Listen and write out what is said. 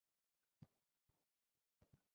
বাড়িতে কথা হবে।